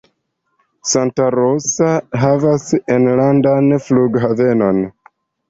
Santa Rosa havas enlandan flughavenon.